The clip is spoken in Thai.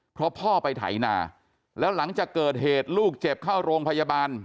เพราะพ่อไปไถนาแล้วหลังจากเกิดเหตุลูกเจ็บเข้าโรงพยาบาล